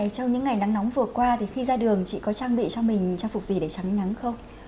trong những ngày nắng nóng vừa qua thì khi ra đường chị có trang bị cho mình trang phục gì để tránh nắng không